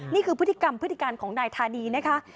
นี่คือพฤติกรรมพฤติการของนายธานีนะคะ